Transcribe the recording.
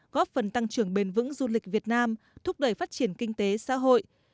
góp phần tăng trưởng bền vững du lịch việt nam thúc đẩy phát triển kinh tế xã hội